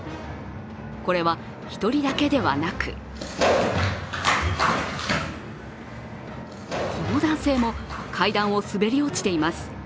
これは、一人だけではなくこの男性も階段を滑り落ちています。